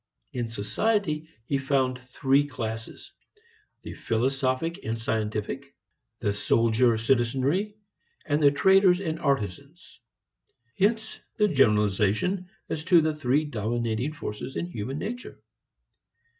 In society he found three classes: the philosophic and scientific, the soldier citizenry, and the traders and artisans. Hence the generalization as to the three dominating forces in human nature.